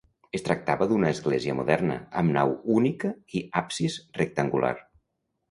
Es tractava d'una església moderna, amb nau única i absis rectangular.